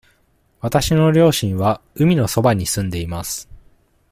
わたしの両親は海のそばに住んでいます。